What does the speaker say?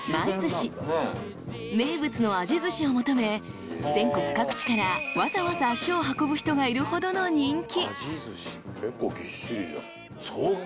［名物のあじ寿司を求め全国各地からわざわざ足を運ぶ人がいるほどの人気］